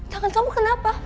tangan kamu kenapa